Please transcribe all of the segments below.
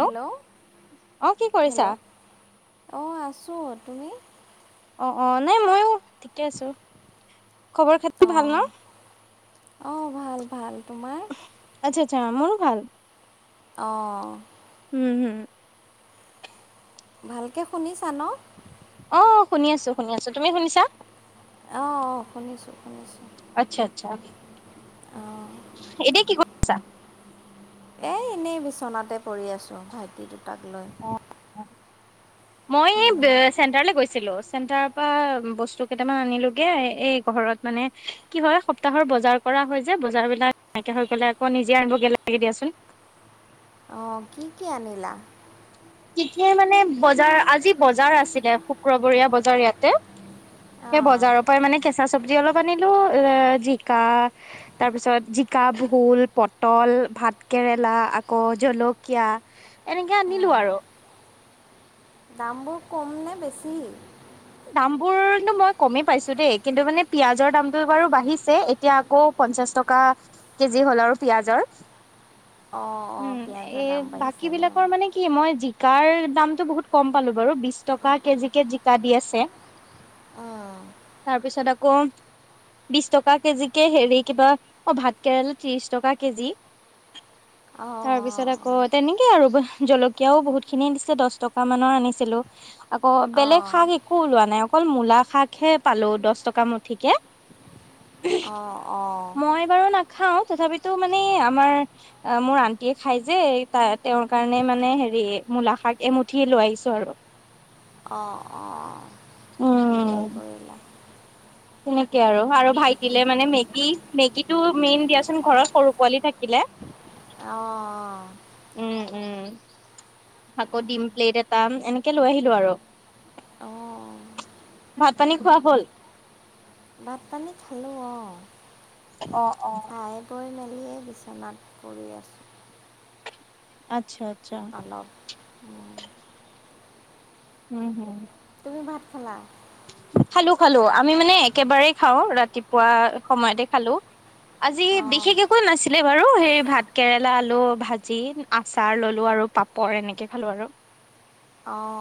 Hello অ কি কৰিছা হেল্ল' অঁ আছোঁ আপুনি? অ অ নাই ময়ো ঠিকে আছো। খবৰ খাতি ভাল ন অ' আহ ভাল ভাল তোমাৰ? আচ্ছা আচ্ছা মোৰো ভাল। অ', উম হুম। ভালকে শুনিছা ন? অ', শুনি আছো শুনি আছো তুমি শুনিছা? অ', অ' শুনিছোঁ শুনিছোঁ। আচ্ছা আচ্ছা অঁ এতিয়া কি কৰিছা এই এনেই বিচনাতে পৰি আছোঁ ভাইটি দুটাক লৈ। অ মই এই উম, চেণ্টাৰলৈ গৈছিলো চেণ্টাৰ। পৰা বস্তু কেইটামান আনিলোগে এই ঘৰত মানে কি হয় সপ্তাহৰ বজাৰ। কৰা হয় যে, বজাৰবিলাক নাইকিয়া হৈ গ'লে আকৌ নিজে আনিবগৈ লাগে দিয়াচোন। অ', কি কি আনিলা? কি কি মানে বজাৰ আজি বজাৰ আছিলে শুক্ৰবৰীয়া বজাৰ ইয়াতে। সেই অঁ বজাৰৰ পৰাই মানে কেঁচা চব্জি অলপ আনিলো এ জিকা। তাৰ পিছত জিকা ভোল পটল ভাত কেৰেলা আকৌ জল কীয়া এনেকে আনিলো উম, আৰু। দামবোৰ কম নে বেছি? দাম বোৰ মই কমেই পাইছো দেই কিন্তু মানে পিয়াজৰ দামটো বাৰু বাঢ়িছে এতিয়া আকৌ। পঞ্চাশ টকা কেজি হ'ল আৰু পিয়াজৰ। অঁ অঁ উম, পিঁয়াজৰ এই দাম বাকী বাঢ়িছে ন বিলাকৰ মানে কি। কি মই জিকাৰ দামতটো বহুত কম পালো বাৰু বিশ টকা কেজিকে জিকা দি আছে। উম, তাৰপিছত আকৌ। বিশ টকা কেজিকে হেৰি কিবা অ' ভাত কেৰেলা ত্ৰিশ টকা কেজি। [unintelligible] তাৰ অঁ পিছত আকৌ। তেনেকে আৰু জলকীয়াও বহুত খিনি দিছে দচ টকা মানৰ আনিছিলোঁ। আকৌ অঁ অঁ বেলেগ শাক একো ওলোৱা নাই অকল মূলা শাকহে পালোঁ দচ টকা মুঠিকে। অ', অ'। মই বাৰু নাখাওঁ তথাপিতো মানে আমাৰ অ' মোৰ আন্টিয়ে খাই যে ত তেওঁৰ কাৰণে মানে হেৰি মূলা শাক এমুঠি লৈ আহিছোঁ আৰু। অ', অ', অ', ভালেই কৰিলা। তেনেকেই আৰু। আৰু ভাইটিলে মানে মেগী, মেগীটো মেইন দিয়াচোন ঘৰত সৰু পোৱালী থাকিলে। অ', অ'। উম, উম। আকৌ ডিম প্লেট এটা এনেকে লৈ আহিলোঁ আৰু। অঁ ভাত পানী খোৱা হল? ভাতপানীত খালোঁ অ'। অ', অ'। খাই বৈ মেলি এই বিচনাত পৰি আছোঁ। আচ্ছা-আচ্ছা। [unintelligible] উম, উম হুম। তুমি ভাত খালা? খালো-খালো আমি মানে একেবাৰেই খাও ৰাতিপুৱা সময়তে খালো। আজি অঁ বিশেষ একো নাছিলে বাৰু সেই ভাত কেৰেলা আলু ভাজি আচাৰ ললো আৰু পাপ পৰ এনেকে খালোঁ আৰু। অ',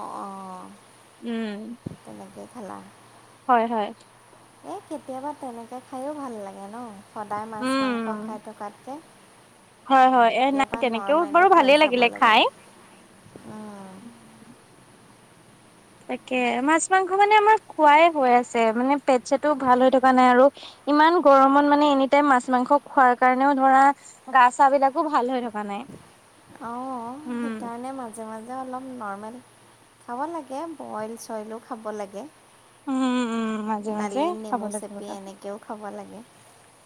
উম'। তেনেকে খালা? হয়, হয়। এই কেতিয়াবা তেনেকে খায়ো ভাল লাগে ন, সদায় মাছ উম মাংস খাই থকাতকে হয় হয় এ নাই কেতিয়াবা তেনেকেও নৰ্মেলো বাৰু খাই ভালেই চাব লাগে উম উম তাকে মাছ মাংস মানে আমাৰ খোৱাই হৈ আছে মানে পেট চেট ও ভাল হৈ থকা নাই আৰু। ইমান গৰমত মানে এনি টাইম মাছ মাংস খোৱাৰ কাৰণেও ধৰা গা চাব বিলাকো ভাল হৈ থকা নাই। অ', উম। সেইকাৰণে মাজে মাজে অলপ নৰ্মেল খাব লাগে বইল চইলো খাব লাগে। উম উম মাজে মাজে দালিত খাব নেমু চেপি এনেকেও খাব লাগে।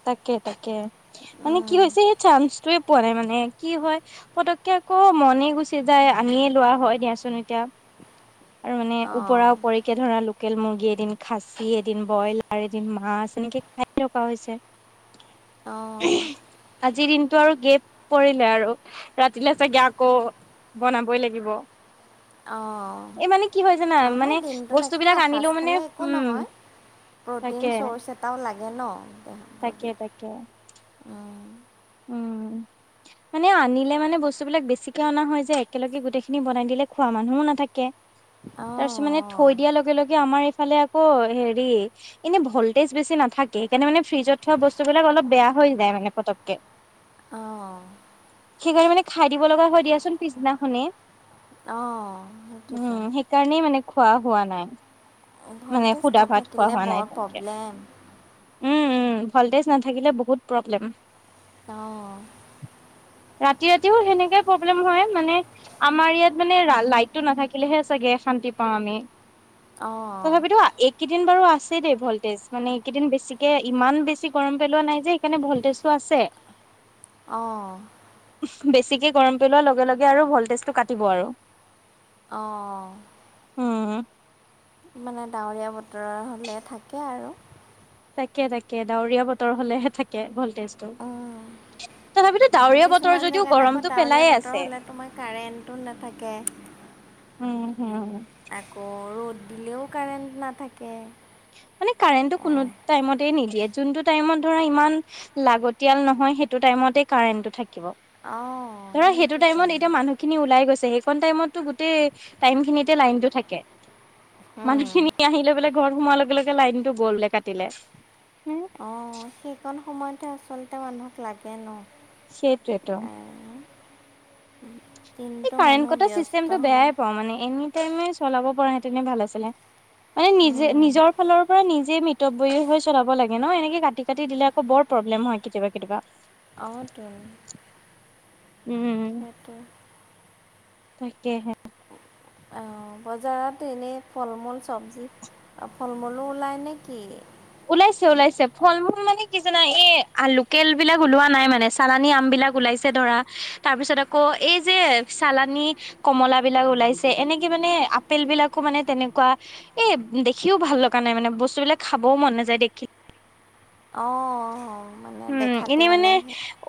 তাকে-তাকে। মানে কি উম, হৈছে সেই চান্সটোয়ে পোৱা নাই মানে কি হয় পতককে আকৌ মনে গুচি যায় আনিয়ে লোৱা হয় দিয়াচোন এতিয়া। আৰু মানে অঁ, ওপৰা ওপৰী কে ধৰা লোকেল মুৰ্গী এদিন খাচী এদিন ব্ৰইলাৰ এদিন মাছ এনেকৈ খাই থকা হৈছে। অ আজিৰ দিনটো আৰু গেপ পৰিলে আৰু ৰাতিলৈ চাগে আকৌ বনাবই লাগিব। অ'। এই মানে কি হয় জানা? মানে দিনটো বস্তু নাখাই বিলাক এসাঁজ আনিলেও মানে খালে একো উম নহয় প্ৰ'টিন তাকে চৰ্জ এ টাও লাগে ন দেহত তাকে তাকে উম'। মানে আনিলে মানে বস্তুবিলাক বেছিকে অনা হয় যে একেলগে গোটেইখিনি বনাই দিলে খোৱা মানুহো নাথাকে। অঁ, তাৰপিছত মানে থৈ দিয়াৰ লগে-লগে আমাৰ এইফালে আকৌ হেৰি এনেই ভল্টেজ বেছি নাথাকে সেইকাৰণে মানে ফ্ৰীজত থোৱা বস্তুবিলাক অলপ বেয়া হৈ যায় মানে পতককে। অ'। সেইকাৰণে মানে খাই দিব লগা হয় দিয়াচোন পিছনাখনে। উ অঁ, অঁ, সেইটোতো। সেই সেই কাৰণেই মানে খোৱা হোৱা নাই। মানে ভল্টেজ সুধা ভাত খোৱা নাথাকিলে হোৱা নাই বৰ তেনেকে প্ৰব্লেম। উম উম ভল্টেজ নাথাকিলে বহুত প্ৰব্লেম অ ৰাতি ৰাতিও সেনেকে প্ৰব্লেম হয় মানে আমাৰ ইয়াত মানে লাইটটো নাথাকিলেহে চাগে শান্তি পাওঁ আমি অঁ, তথাপিতো এ কেইদিন বাৰু আছে দেই ভল্টেজ মানে কেইদিন বেছিকে ইমান বেছি গৰম পেলোৱা নাই যে সেইকাৰণে ভল্টেজটো আছে অহ বেছিকে গৰম পেলোৱাৰ লগে লগে আৰু ভল্টেজটো কাটিব আৰু অ উ মানে ডাৱৰীয়া বতৰৰ হ'লে থাকে আৰু তাকে তাকে ডাৱৰীয়া বতৰ হলেহে থাকে ভল্টেজটো তথাপিতো উহ ডাৱৰীয়া বতৰ কিছুমান যদিও জেগাত আকৌ গৰমটো ডাৱৰীয়া পেলায়ে বতৰ আছে হ'লে তোমাৰ কাৰেণ্টো নাথাকে উম হুম, আকৌ ৰ'দ দিলেও কাৰেণ্ট নাথাকে মানে কাৰেণ্টটো কোনো টাইমতে নিদিয়ে যোনটো টাইমত ধৰা ইমান, লাগতিয়াল নহয় সেইটো টাইমতে কাৰেণ্টটো থাকিব অঁ ধৰা সেইটো সেইটোতোন টাইমত এতিয়া মানুহ, খিনি ওলাই গৈছে সেইকন টাইমতো গোটেই টাইম খিনিতে লাইন টো থাকে। মানুহ খিনি আহিলে বোলে ঘৰ সোমাৰ লগে লগে লাইনতটো গ'ল বোলে কাটিলে হু, অ সেইকণ সময়তে আচলতে মানুহক লাগে ন। সেইটোৱে টো, অঁ এই কাৰেণ্ট কটা ব্যস্ত চিষ্টেমটো হয় বেয়াই পাওঁ মানে এনে এনে টাইমে চলাব পৰা হেঁতেনে ভাল আছিলে মানে নিজে নিজৰ ফালৰ পৰা নিজে ম হৈ চলাব লাগে ন এনেকে কাটি কাটি দিলে আকৌ বৰ প্ৰব্লেম হয় কেতিয়াবা কেতিয়াবা। অটো, উম তাকেহে, অঁ বজাৰত এনেই ফল মূল চবজি ফল মূলো ওলায় নে কি। ওলাইছে ওলাইছে ফল মূল মানে কি জানা এই লোকেল বিলাক ওলোৱা নাই মানে চালানী আম বিলাক ওলাইছে। আছে ধৰা তাৰ পিছত আকৌ এই যে চালানী। কমলা বিলাক ওলাইছে এনেকে মানে আপেল বিলাকো মানে তেনেকুৱা। এ দেখিও ভাল লগা নাই মানে বস্তুবিলাক খাবও মন নাযায় দেখি। অঁ মানে দেখাতে মানে।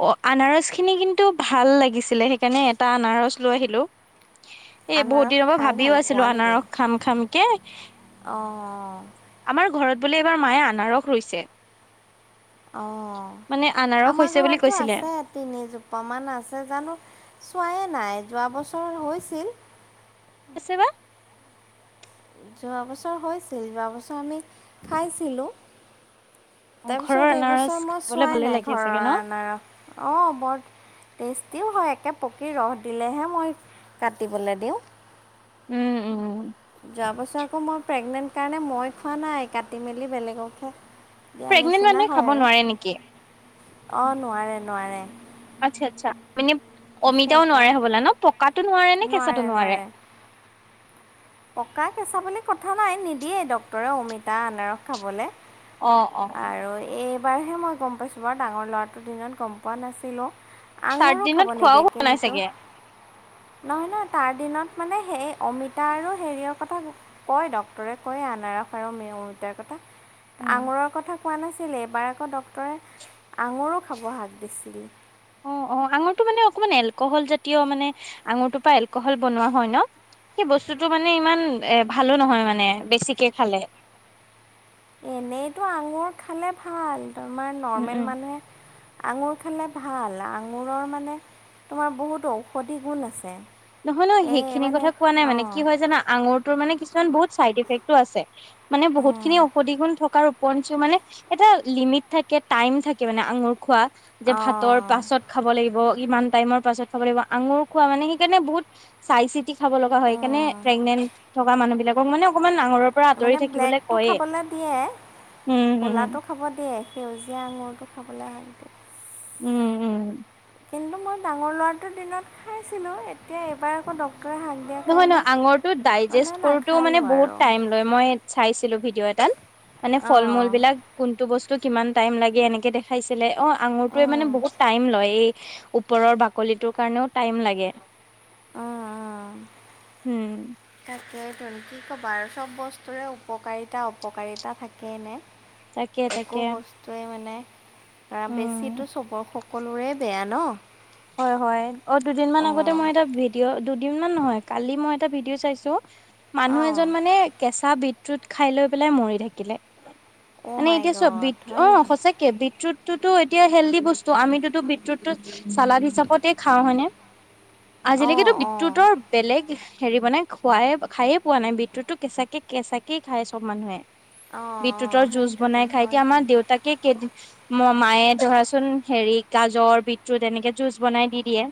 অঁ আনাৰসখিনি কিন্তু ভাল লাগিছিলে সেইকাৰণে এটা আনাৰস লৈ আহিলোঁ। এ বহুত আনাৰস দিনৰ পৰা খাই ভাল ভাবিও আছিলো পোৱা নেকি আনাৰস খাম খাম কে, অঁ আমাৰ ঘৰত বোলে এবাৰ মায়ে আনাৰস ৰুইছে। মানে অঁ আনাৰস আমাৰ হৈছে বুলি ঘৰতো কৈছিলে আছে। তিনিজোপামান আছে জানো চোৱায়ে নাই যোৱা বছৰত হৈছিল। [unintelligible] বা, যোৱা বছৰ হৈছিল যোৱা বছৰ আমি খাইছিলোঁ। ঘৰৰ তাৰপিছত আনাৰস এইবছৰ মই খাবলে চোৱাই ভালে নাই লাগে চাগে ন? ঘৰৰ আনাৰস অ বৰ টেষ্টিও হয় একে পকি ৰস দিলেহে মই কাটিবলৈ দিওঁ, উম উম। যোৱা বছৰ আকৌ মই প্ৰেগনেন্ট কাৰণে মই খোৱা নাই কাটি মেলি বেলেগকহে দিয়া প্ৰেগনেন্ট নিচিনা মানুহে খাব হয় নোৱাৰে নেকি? আৰু অঁ নোৱাৰে নোৱাৰে। আচ্ছা আচ্ছা মানে অমিতাও নোৱাৰে সেইকাৰণে হবলা ন পকাতটো নোৱাৰে নে কেঁচাটো নোৱাৰে। পকা কেঁচা বুলি কথা নাই নিদিয়েই ডক্টৰে অমিতা আনাৰস খাবলে। অ অ আৰু এইবাৰহে মই গম পাইছোঁ বাৰু ডাঙৰ ল'ৰাটোৰ দিনত গম পোৱা নাছিলোঁ। আঙুৰো চাৰ্দিনত খাব খোৱাও নিদিয়ে হোৱা নাই কিন্তু। চাগে? নহয় নহয় তাৰ দিনত মানে সেই অমিতা আৰু হেৰিয়ৰ কথা কয় ডক্টৰে কয় আনাৰস আৰু অমিতাৰ কথা। উম আঙুৰৰ কথা কোৱা নাছিল এবাৰ আকৌ ডক্টৰে আঙুৰো খাব হাক দিছিল। অ অ আঙুৰটো মানে অকমান এলকহল জাতীয় মানে আঙুৰটোৰ পৰা এলকহল বনোৱা হয় ন। সেই বস্তুতটো মানে ইমান এ ভালো নহয় মানে বেছিকে খালে। এনেইতো আঙুৰ খালে ভাল, তোমাৰ উম নৰ্মেল উম মানুহে আঙুৰ খালে ভাল আঙুৰৰ মানে তোমাৰ বহুত ঔষধি গুণ আছে। নহয় নহ এই সেইখিনি মানে কথা কোৱা নাই মানে, অঁ কি হয় জানা আঙুৰটোৰ মানে কিছুমান বহুত চাইড ইফেক্টো আছে, মানে বহুত খিনি অঁ ঔষধি গুণ থকাৰ [unintelligible] মানে এটা লিমিট থাকে টাইম থাকে মানে আঙুৰ খোৱা যে ভাতৰ অঁ পাছত খাব লাগিব ইমান টাইমৰ পাছত খাব লাগিব আঙুৰ খোৱা মানে সেইকাৰণে বহুত চাই চিতি খাব লগা হয় সেইকাৰনে উম, প্ৰেগনেন্ট থকা মানুহ বিলাক মোক মানে অকমান নাঙলৰৰ পৰা মানে আঁতৰি থাকিবলে ব্লেকটো কয়ে খাবলৈ দিয়ে উম- উম। ক'লাটো খাব দিয়ে সেউজীয়া আঙুৰটো খাবলৈ হয় [unintelligible] উম- উম। কিন্তু মই ডাঙৰ ল'ৰাটোৰ দিনত খাইছিলোঁ, এতিয়া এইবাৰ আকৌ ডক্টৰে হাক নহয় নহয় আঙুৰটো ডাইজেষ্ট কৰোতেও মানে নাখালোঁ বহুত আৰু টাইম, মই চাইছিলো ভিডিঅ এটাত মানে ফল অঁ মূল বিলাক, কোনটো বস্তু কিমান টাইম লাগে এনেকে দেখে খাইছিলে অ আঙুৰটোয়ে উম, মানে উম, বহুত টাইম লয় এই ওপৰৰ বাক কলিটোৰ কাৰণেও টাইম লাগে। অহ', উম তাকে টোন কি কবা আৰু চব বস্তুৰে উপকাৰিতা -অপকাৰিতা থাকে নে। তাকে একো তাকে বস্তুৱে মানে আহ, উম বেছিতো চবৰ সকলোৰে বেয়া ন'। হয় -হয় অ, দুদিন মান আগতে অঁ মই এটা ভিড ভিডিঅ' দুদিন মান নহয় কালি মই এটা ভিডিঅ' চাইছো মানুহ অঁ এজন মানে কেঁচা বিট ৰুট খাই লৈ পেলাই মৰি থাকিলে অ' মানে মাই এতিয়া চোৱা গড বিট হয় অ, নেকি সঁচাক কে বিটৰুটটোতো এতিয়া হেল্ডি বস্তু আমিতোতো বিটৰুটটো চালাদ হিচাপতে খাওঁ হয়নে অঁ আজিলৈকেতো অঁ বিটৰুটৰ বেলেগ হেৰি মানে খুৱাই খায়ে পোৱা নাই বিটৰুটতো কেঁচাকে-কেঁচাকে খায় চব মানুহে। অঁ অঁ বিটৰুটৰ জুচ বনাই সেইটোতোন খাই এতিয়া আমাৰ হয়তোন দেউ তাকে কেইদিন ম- মায়ে ধৰাচোন হেৰি গাজৰ বিট ৰুট এনেকে জুচ বনাই দি দিয়ে।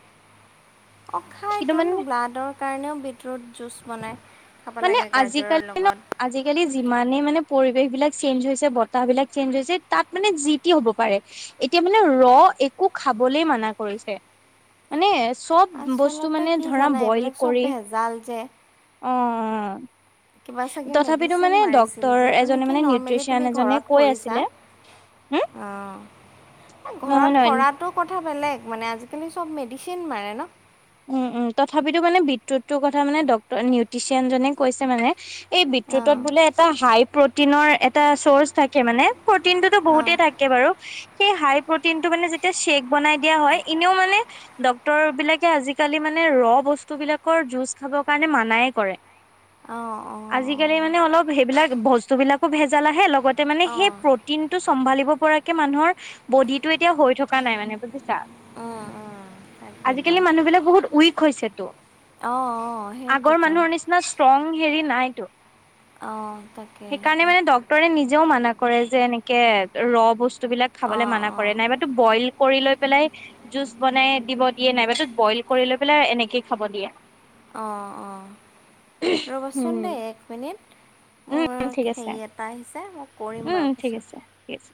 অ, খাই কিন্তু টোন মানে ব্লাডৰ কাৰণেও বিটৰুট জুচ বনায়। খাব মানে লাগে আজিকালি গাজৰৰ লগত। আজিকালি যিমানে মানে পৰিৱেশ বিলাক চেঞ্জ হৈছে বতাহ বিলাক চেঞ্জ হৈছে তাত মানে জি টি হ'ব পাৰে। এতিয়া মানে ৰ' একো খাবলে মানা কৰিছে। মানে চব বস্তু আচলতে মানে কি ধৰা জানা বইল এইবিলাক চব কৰি ভেজাল যে অ', অ', কিবা চাগে মেডিচিন মাৰিছিল যিটো এজনে নেকি মানে নৰ্মেলি নিউট্ৰিচিয়ান তুমি এজনে ঘৰত কৈ কৰিছা। আছিলে হুম অ, এ নহয় ঘৰত নহয় কৰাত ত'কথা বেলেগ মানে আজিকালি চব মেডিচিন মাৰে ন'। উম- উম তথাপিতো মানে বিটৰুটটো কথা মানে ডক্টৰ নিউট্ৰিচিয়ান জনে কৈছে মানে এই বিটৰুটত অঁ বোলে এটা হাই প্ৰটিনৰ এটা চৰ্চ থাকে মানে প্ৰটিন টোতো অঁ বহুতেই থাকে। কে বাৰু সেই হাই প্ৰটিনটো মানে যেতিয়া ছেক বনাই দিয়া হয় এনেও মানে ডক্তৰ বিলাকে আজিকালি মানে ৰ' বস্তু বিলাকৰ জুজ খাব কাৰণে মানাই কৰে। অ', অ', তে মানে অলপ সেইবিলাক বস্তু বিলাকো ভেজাল আহে লগতে মানে অঁ সেই অঁ প্ৰট টিনটো চম্ভালিব পৰাকে মানুহৰ বডিটো এতিয়া হৈ থকা নাই মানে বুজিছা। উম উম তাকেইতো আজিকালি মানুহ বিলাক বহুত উইক হৈছেতো। অঁ অঁ আগৰ সেইটোতো মানুহৰ নিচিনা ষ্ট্ৰং হেৰি নাইতো। অঁ তাকে সেইকাৰণে মানে ডক ডক্টৰে নিজেও মানা কৰে যে এনেকে ৰ' বস্তু বিলাক খাবলে অঁ মানা কৰে অঁ নাইবা টো বইল কৰি লৈ পেলাই জুচ বনাই দিব দিয়ে নাই বা টো বইল কৰি লৈ পেলাই এনেকেই খাব দিয়ে। অ', অ', ৰ'বচোন উম দেই এক মিনিট। মোৰ উম ঠিক আছে হেৰি এটা আহিছে মই কৰিম বাৰু পিছত। ঠিকে আছে।